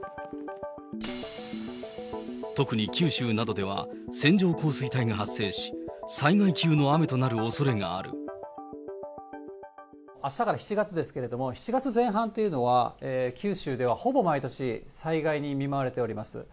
特に九州などでは、線状降水帯が発生し、あしたから７月ですけれども、７月前半っていうのは、九州ではほぼ毎年災害に見舞われております。